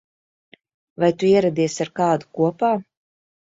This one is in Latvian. Vai tu ieradies ar kādu kopā?